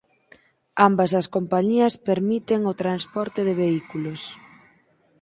Ambas as compañías permiten o transporte de vehículos.